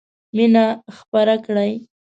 مينه خپره کړئ.